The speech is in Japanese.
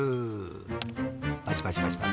パチパチパチパチ！